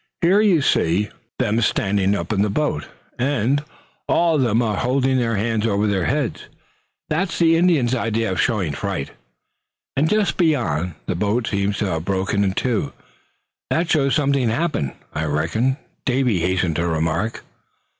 "Here you see them standing up in the boat, and all of them are holding their hands over their heads. That is the Indian's idea of showing fright." "And just beyond, the boat seems to have broken in two; that shows something happened, I reckon," Davy hastened to remark.